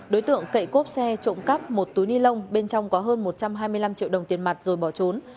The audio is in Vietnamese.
đối tượng cậy cốp xe trộm cắp một túi ni lông bên trong có hơn một trăm hai mươi năm triệu đồng tiền mặt rồi bỏ trốn